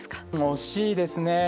惜しいですね。